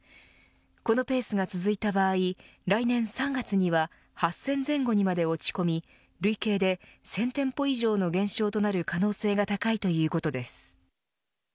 このペースが続いた場合来年３月には８０００前後にまで落ち込み累計で１０００店舗以上の減少となる可能性が高いということです。